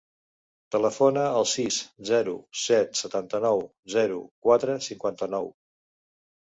Telefona al sis, zero, set, setanta-nou, zero, quatre, cinquanta-nou.